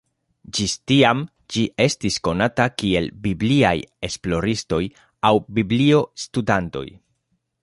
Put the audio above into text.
Ĝis tiam ĝi estis konata kiel "Bibliaj esploristoj" aŭ "Biblio-studantoj".